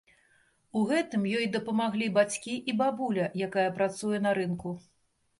У гэтым ёй дапамаглі бацькі і бабуля, якая працуе на рынку.